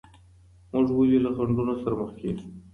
موږ ولي له خنډونو سره مخ کیږو؟